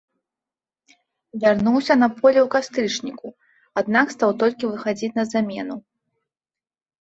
Вярнуўся на поле ў кастрычніку, аднак стаў толькі выхадзіць на замену.